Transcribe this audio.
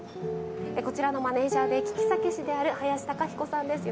こちらのマネージャーで酒師である林孝彦さんです。